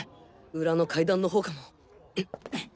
裏の階段の方かも。